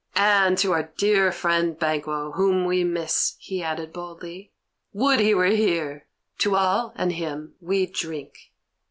"And to our dear friend Banquo, whom we miss," he added boldly. "Would he were here! To all, and him, we drink!"